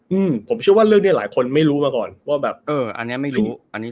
อืมผมเชื่อว่าเรื่องเนี้ยหลายคนไม่รู้มาก่อนว่าแบบเอออันนี้ไม่รู้อันนี้